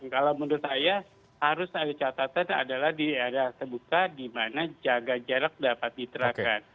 kalau menurut saya harus ada catatan adalah di daerah terbuka di mana jaga jarak dapat diterapkan